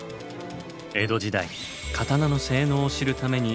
江戸時代刀の性能を知るために行われたこと。